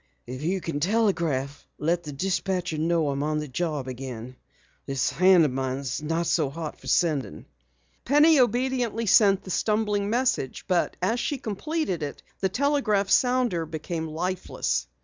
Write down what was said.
"If you can telegraph, let the dispatcher know I'm on the job again. This hand of mine's not so hot for sending." Penny obediently sent the stumbling message, but as she completed it the telegraph sounder became lifeless.